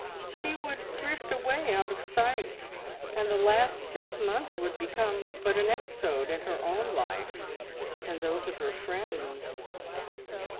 She would drift away out of sight, and the last six months would become but an episode in her own life and those of her friends.